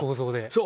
そう。